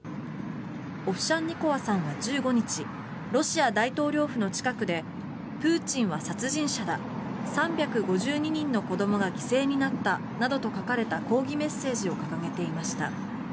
オフシャンニコワさんは１５日ロシア大統領府の近くでプーチンは殺人者だ３５２人の子どもが犠牲になったなどと書かれた抗議メッセージを掲げていました。